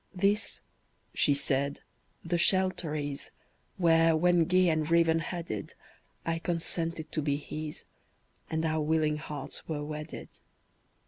"This," she said, "the shelter is, Where, when gay and raven headed, I consented to be his, And our willing hearts were wedded.